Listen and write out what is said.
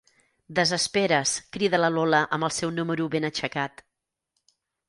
Desesperes, crida la Lola amb el seu número ben aixecat.